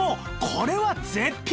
これは絶品！